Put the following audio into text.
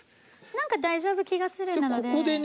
何か大丈夫気がするなので。